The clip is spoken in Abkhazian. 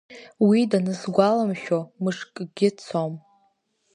Уи данысгәаламшәо мышкгьы цом.